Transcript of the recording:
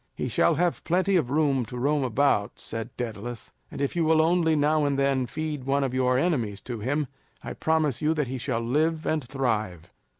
"He shall have plenty of room to roam about," said Daedalus; "and if you will only now and then feed one of your enemies to him, I promise you that he shall live and thrive."